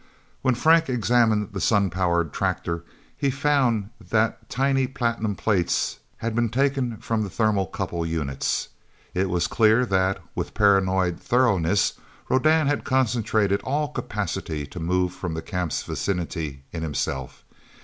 When Frank examined the sun powered tractor, he found that tiny platinum plates had been taken from the thermocouple units. It was clear that, with paranoid thoroughness, Rodan had concentrated all capacity to move from the camp's vicinity in himself.